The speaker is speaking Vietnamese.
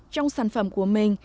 trong sản phẩm của mình